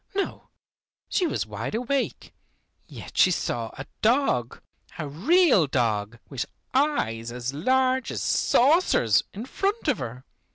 No, she was wide awake, yet she saw a dog, a real dog with eyes as large as saucers, in front of her.